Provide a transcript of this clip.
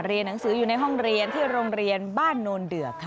หนังสืออยู่ในห้องเรียนที่โรงเรียนบ้านโนนเดือกค่ะ